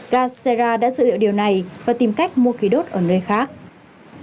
gastara đã dự liệu điều này và tìm cách mua khí đốt ở nơi khác